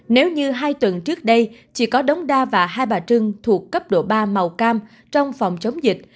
nếu như hai tuần trước đây chỉ có đống đa và hai bà trưng thuộc cấp độ ba màu cam trong phòng chống dịch